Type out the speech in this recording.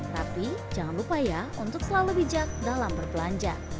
tapi jangan lupa ya untuk selalu bijak dalam berbelanja